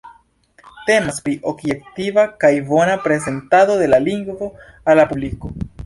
Temas pri objektiva kaj bona prezentado de la lingvo al la publiko.